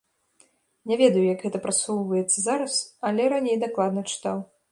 Не ведаю, як гэта прасоўваецца зараз, але раней дакладна чытаў.